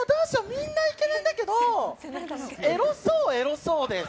みんなイケメンだけどエロそうはエロそうです。